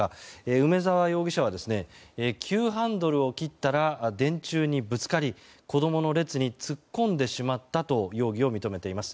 梅沢容疑者は急ハンドルを切ったら電柱にぶつかり子供の列に突っ込んでしまったと容疑を認めています。